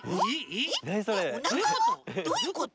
どういうこと？